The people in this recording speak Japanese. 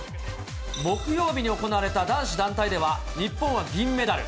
木曜日に行われた男子団体では、日本は銀メダル。